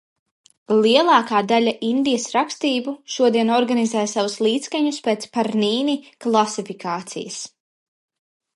Lielākā daļa Indijas rakstību šodien organizē savus līdzskaņus pēc Pārnini klasifikācijas.